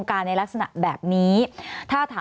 สวัสดีครับทุกคน